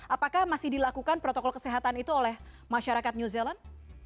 apakah masih dilakukan protokol kesehatan itu oleh masyarakat new zealand